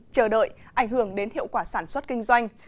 chờ đợi ảnh hưởng đến hiệu quả sản xuất kinh doanh